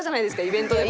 イベントで。